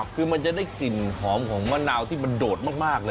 คือมันจะได้กลิ่นหอมของมะนาวที่มันโดดมากเลย